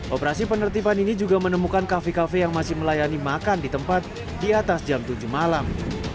operasi penertiban ini juga menemukan kafe kafe yang masih melayani makan di tempat di atas jam tujuh malam